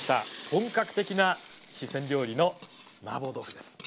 本格的な四川料理のマーボー豆腐です。